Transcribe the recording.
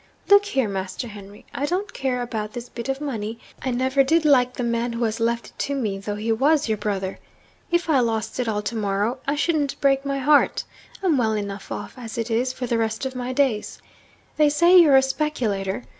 Look here, Master Henry. I don't care about this bit of money I never did like the man who has left it to me, though he was your brother. If I lost it all to morrow, I shouldn't break my heart; I'm well enough off, as it is, for the rest of my days. They say you're a speculator.